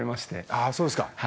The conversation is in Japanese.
ああそうですか！